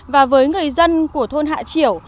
và với người dân của thôn hạ triểu